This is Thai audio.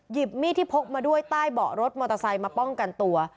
มีดที่พกมาด้วยใต้เบาะรถมอเตอร์ไซค์มาป้องกันตัว